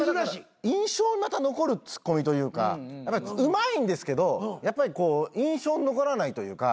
印象に残るツッコミというかうまいんですけどやっぱり印象に残らないというか。